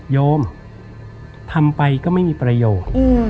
โยมทำไปก็ไม่มีประโยชน์